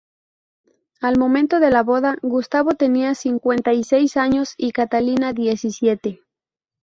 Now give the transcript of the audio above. Al momento de la boda, Gustavo tenía cincuenta y seis años y Catalina diecisiete.